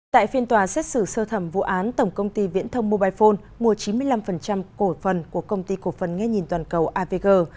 tại phiên tòa xét xử sơ thẩm vụ án tổng công ty viễn thông mobile phone mua chín mươi năm cổ phần của công ty cổ phần nghe nhìn toàn cầu avg